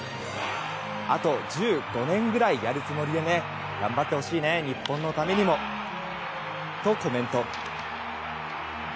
あと１５年ぐらいやるつもりでね頑張ってほしいね日本のためにもとコメント。